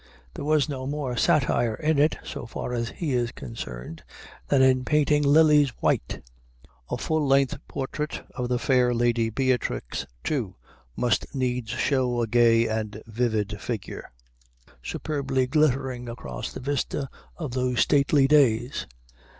There was no more satire in it, so far as he is concerned, than in painting lilies white. A full length portrait of the fair Lady Beatrix, too, must needs show a gay and vivid figure, superbly glittering across the vista of those stately days.